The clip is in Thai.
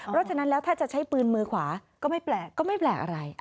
เพราะฉะนั้นแล้วถ้าจะใช้ปืนมือขวาก็ไม่แปลกก็ไม่แปลกอะไร